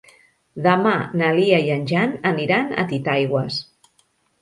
Demà na Lia i en Jan aniran a Titaigües.